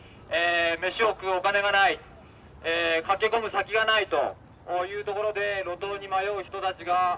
飯を食うお金がない駆け込む先がないというところで路頭に迷う人たちが増えている。